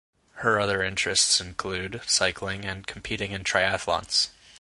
Her other interests include cycling and competing in triathlons.